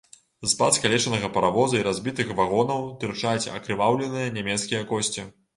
З-пад скалечанага паравоза і разбітых вагонаў тырчаць акрываўленыя нямецкія косці.